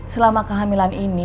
selama kehamilan ini